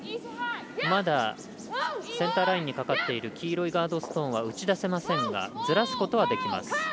まだセンターラインにかかっている黄色いガードストーンは打ち出せませんがずらすことはできます。